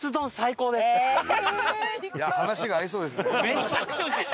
めちゃくちゃおいしい！